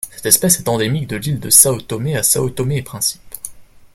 Cette espèce est endémique de l'île de Sao Tomé à Sao Tomé-et-Principe.